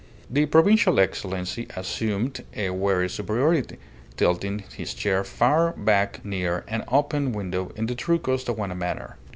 The provincial Excellency assumed a weary superiority, tilting his chair far back near an open window in the true Costaguana manner.